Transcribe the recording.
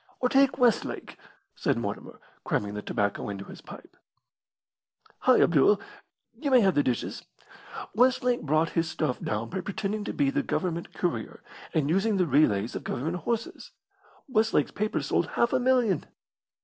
"Or take Westlake," said Mortimer, cramming the tobacco into his pipe. "Hi, Abdul, you may have the dishes! Westlake brought his stuff down by pretending to be the Government courier, and using the relays of Government horses. Westlake's paper sold half a million."